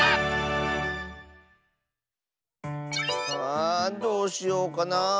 あどうしようかなあ。